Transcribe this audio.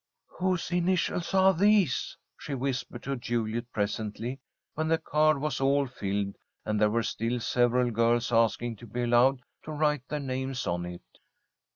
"Whose initials are these?" she whispered to Juliet presently when the card was all filled and there were still several girls asking to be allowed to write their names on it.